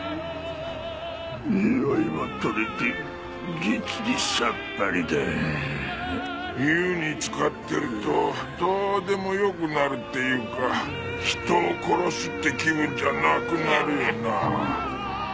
ニオイも取れて実にさっぱりだ湯につかってるとどうでもよくなるっていうか人を殺すって気分じゃなくなるよなあ